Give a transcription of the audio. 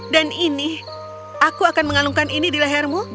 dan ini aku akan mengalungkan ini di lehermu